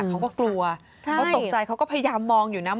เขาก็กลัวเขาตกใจเขาก็พยายามมองอยู่นะ